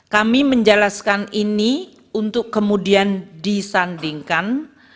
kami menjelaskan ini untuk kemudian disandingkan